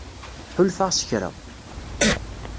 Ḥulfaɣ s kra.